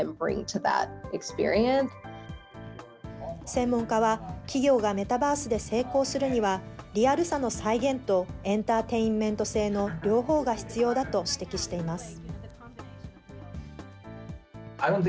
専門家は、企業がメタバースで成功するには、リアルさの再現と、エンターテインメント性の両方が必要だと指摘しています。